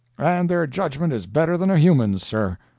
and their judgment is better than a human's, sir!